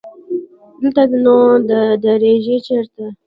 دلته نو ته درېږې چېرته؟